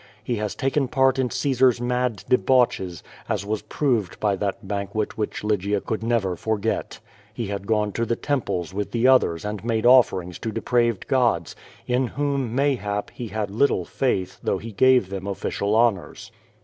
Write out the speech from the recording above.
He has taken part in Caesar's mad debauches, as was proved by that banquet which Lygia could never forget. He had gone to the temples with the others and made offerings to depraved gods, in whom, mayhap, he had little faith, though he gave them official honors.